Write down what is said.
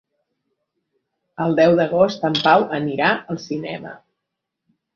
El deu d'agost en Pau anirà al cinema.